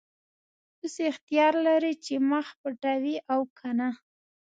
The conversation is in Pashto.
اوس اختیار لرې چې مخ پټوې او که نه.